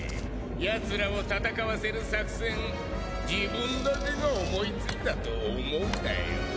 やつらを戦わせる作戦自分だけが思いついたと思うなよ。